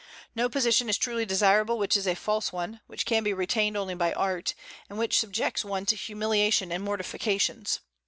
No position is truly desirable which is a false one, which can be retained only by art, and which subjects one to humiliation and mortifications.